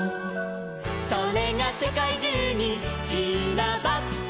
「それがせかいじゅうにちらばって」